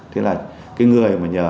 thế là cái người mà nhờ